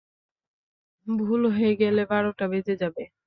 ভুল হয়ে গেলে বারোটা বেজে যাবে।